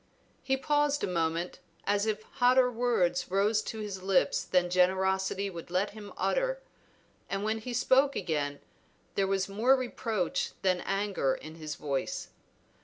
He paused a moment, as if hotter words rose to his lips than generosity would let him utter, and when he spoke again there was more reproach than anger in his voice.